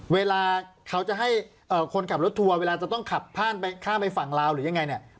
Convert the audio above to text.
เวลาเขาจะให้คนขับรถทัวร์เวลาจะต้องขับข้ามไปฝั่งลาวหรือยังไงเนี่ย